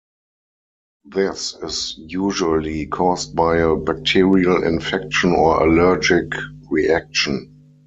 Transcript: This is usually caused by a bacterial infection or allergic reaction.